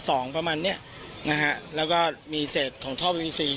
สองประมาณเนี้ยนะฮะแล้วก็มีเสร็จของทอบซีซีซี